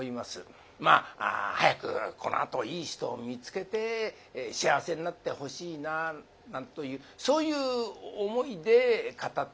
まあ早くこのあといい人を見つけて幸せになってほしいなあなんというそういう思いで語っております。